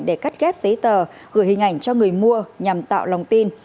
để cắt ghép giấy tờ gửi hình ảnh cho người mua nhằm tạo lòng tin